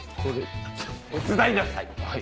手伝いなさい！